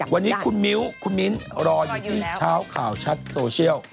วันนี้คุณมิ้วคุณมิ้นรออยู่ที่เช้าข่าวชัดโซเชียล